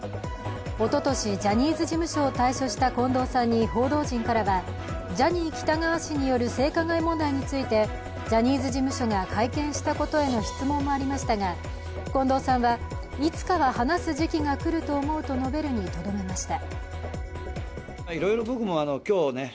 おととし、ジャニーズ事務所を退所した近藤さんに報道陣からは、ジャニー喜多川氏による性加害問題についてジャニーズ事務所が会見したことへの質問もありましたが、近藤さんは、いつかは話す時期が来ると思うと述べるにとどめました。